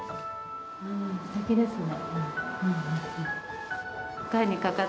すてきですね。